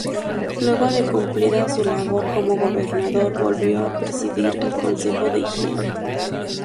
Luego de cumplida su labor como gobernador volvió a presidir el Consejo de Higiene.